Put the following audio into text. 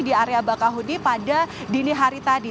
di area bakahuni pada dini hari tadi